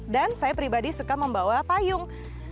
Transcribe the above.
dan saya pribadi suka membawa payung